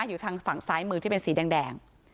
อยู่ทางฝั่งซ้ายมือที่เป็นสีแดง